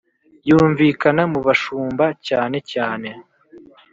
Yumvikana mu bashumba cyane cyane